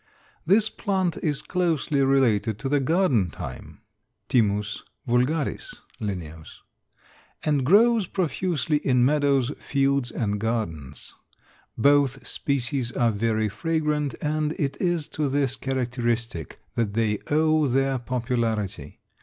This plant is closely related to the garden thyme (T. vulgaris, L.), and grows profusely in meadows, fields and gardens. Both species are very fragrant and it is to this characteristic that they owe their popularity.